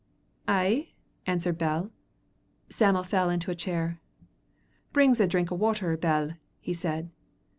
"Ay," answered Bell. Sam'l fell into a chair. "Bring's a drink o' water, Bell," he said.